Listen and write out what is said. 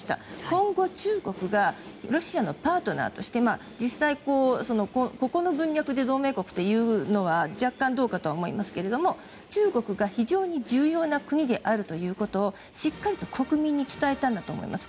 今後、中国がロシアのパートナーとして実際、ここの文脈で同盟国というのは若干どうかとは思いますけれども中国が非常に重要な国であるということをしっかりと国民に伝えたんだと思います。